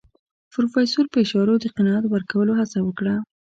پروفيسر په اشارو د قناعت ورکولو هڅه وکړه.